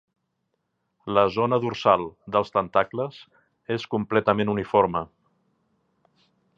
La zona dorsal dels tentacles és completament uniforme.